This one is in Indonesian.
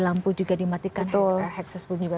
lampu juga dimatikan oleh heksus pun juga